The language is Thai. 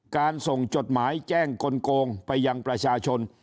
การส่งจดหมายแจ้งกลงไปยังประชาชน